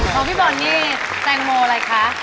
ของพี่บอลนี่แตงโมอะไรคะ